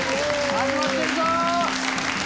始まってるぞ！